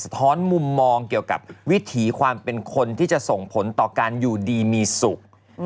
ท้อนมุมมองเกี่ยวกับวิถีความเป็นคนที่จะส่งผลต่อการอยู่ดีมีสุข